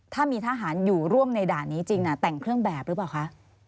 ถ้ามีทหารอยู่ร่วมในด่านนี้จริงแต่งเครื่องแบบหรือเปล่าคะ